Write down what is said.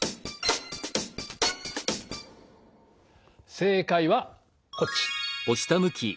正解はこっち。